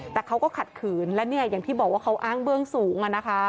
แต่เขาก็ขัดขืนและเนี่ยอย่างที่บอกว่าเขาอ้างเบื้องสูง